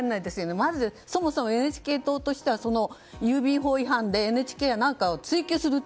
まず、そもそもＮＨＫ党としては郵便法違反などでＮＨＫや何かを追及すると。